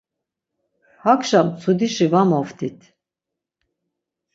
Hakşa mtsudişi va moft̆it.